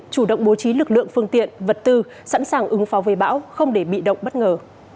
chủ động bố trí lực lượng phương tiện vật tư sẵn sàng ứng phó với bão không để bị động bất ngờ